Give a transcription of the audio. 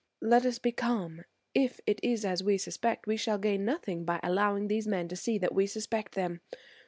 "Let us be calm. If it is as we suspect, we shall gain nothing by allowing these men to see that we suspect them.